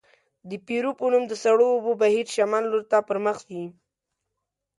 د پیرو په نوم د سړو اوبو بهیر شمال لورته پرمخ ځي.